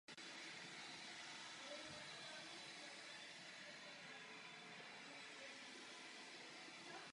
Jeho studentem byl fotograf Alfred Noack.